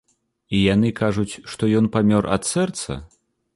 І яны кажуць, што ён памёр ад сэрца?